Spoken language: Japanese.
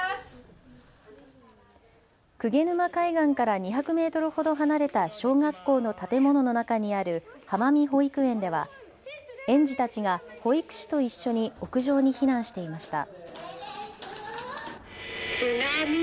鵠沼海岸から２００メートルほど離れた小学校の建物の中にある浜見保育園では園児たちが保育士と一緒に屋上に避難していました。